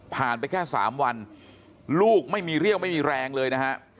ไปแค่๓วันลูกไม่มีเรี่ยวไม่มีแรงเลยนะฮะ